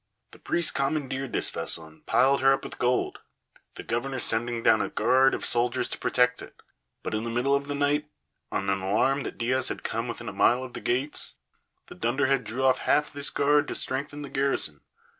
The priests commandeered this Vessel and piled her up with gold, the Governor sending down a guard of soldiers to protect it; but in the middle of the night, on an alarm that Diaz had come within a mile of the gates, the dunderhead drew off half of this guard to strengthen the garrison.